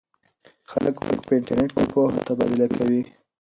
خلک په انټرنیټ کې پوهه تبادله کوي.